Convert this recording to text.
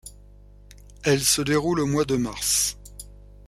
Elle se déroule au mois de mars.